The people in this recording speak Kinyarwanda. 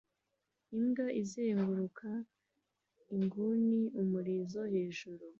Imbwa izenguruka inguni umurizo hejuru